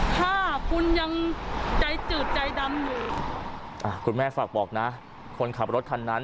ถ้าคุณยังใจจืดใจดำอยู่คุณแม่ฝากบอกนะคนขับรถคันนั้น